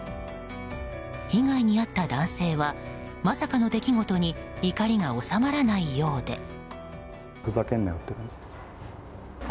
被害に遭った男性はまさかの出来事に怒りが収まらないようで。